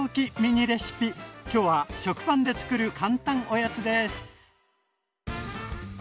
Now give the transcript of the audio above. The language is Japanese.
きょうは食パンでつくる簡単おやつです！